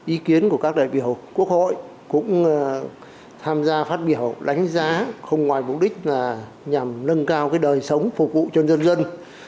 ý kiến của các đại biểu quốc hội cũng tham gia phát biểu đánh giá không ngoài mục đích là nhằm nâng cao đời sống phục vụ cho dân dân